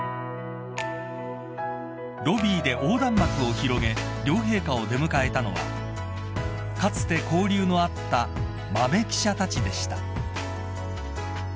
［ロビーで横断幕を広げ両陛下を出迎えたのはかつて交流のあった豆記者たちでした］